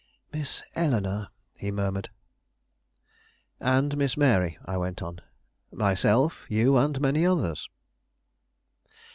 "Miss Eleanore?" he murmured. "And Miss Mary," I went on; "myself, you, and many others."